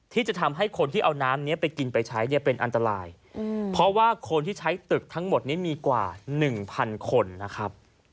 ที่จะทำให้คนที่เอาน้ำนี้ไปกินไปใช้เนี่ยเป็นอันตรายเพราะว่าคนที่ใช้ตึกทั้งหมดนี้มีกว่าหนึ่งพันคนนะครับ